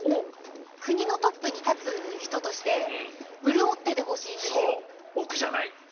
国のトップに立つ人として潤っててほしいんですよ。